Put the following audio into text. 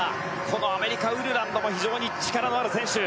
このアメリカ、ウルランドも非常に力のある選手。